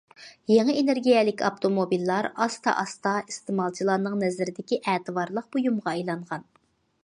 يېڭى ئېنېرگىيەلىك ئاپتوموبىللار ئاستا- ئاستا ئىستېمالچىلارنىڭ نەزىرىدىكى ئەتىۋارلىق بۇيۇمغا ئايلانغان.